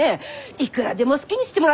いくらでも好きにしてもらって。